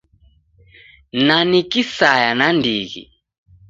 Na ni kisaya nandighi.